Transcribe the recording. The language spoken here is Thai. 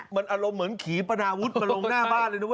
มันอาลมเหมือนขีพนาวุธไปลงหน้าบ้านเลยนะ